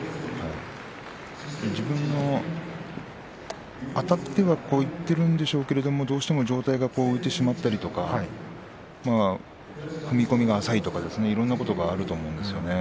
自分の、あたってはいっているんでしょうけど上体が浮いてしまったりとか踏み込みが浅いとかですねいろんなことがあると思うんですよね。